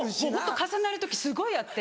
重なる時すごいあって。